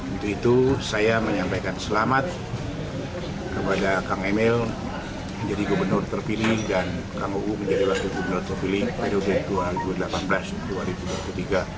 untuk itu saya menyampaikan selamat kepada kang emil menjadi gubernur terpilih dan kang uu menjadi wakil gubernur terpilih pada uu dua ribu delapan belas